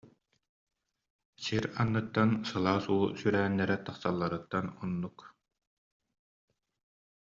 Сир анныттан сылаас уу сүүрээннэрэ тахсалларыттан оннук